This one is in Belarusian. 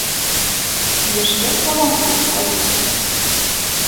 Але ж як маланкаю спаліць.